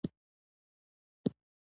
د پیرودونکي باور د امانت نښه ده.